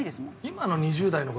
今の２０代の子